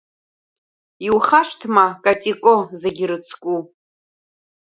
Иухашҭма, Катико, зегьы ирыцку…